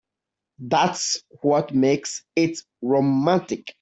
That's what makes it romantic.